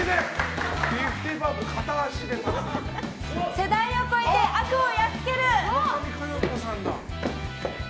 世代を超えて悪をやつける！